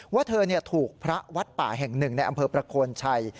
ว่าเธอถูกพระวัดป่าแห่งหนึ่งในอำเภอประโคนชัย